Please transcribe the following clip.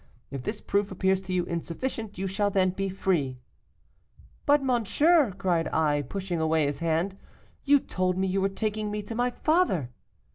If this proof appears to you insufficient, you shall then be free.' 'But, monsieur,' cried I, pushing away his hand, 'you told me you were taking me to my father!